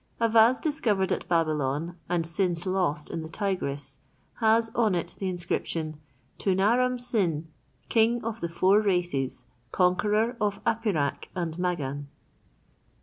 A vase discovered at Babylon and since lost in the Tigris, has on it the inscription: "To Naram Sin, King of the Four Races, Conqueror of Apirak and Magan."